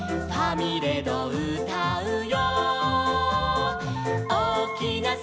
「ファミレドうたうよ」